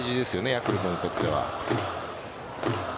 ヤクルトにとっては。